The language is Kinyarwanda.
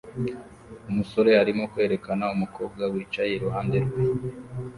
Umusore arimo kwerekana umukobwa wicaye iruhande rwe